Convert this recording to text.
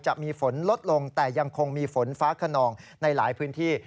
จะมีฝนลดลงแต่ยังคงมีฝนฟ้าขนองในหลายพื้นที่